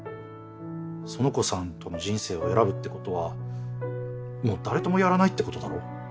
苑子さんとの人生を選ぶってことはもう誰ともやらないってことだろ。